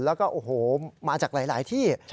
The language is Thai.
แล้วก็มาจากหลายที่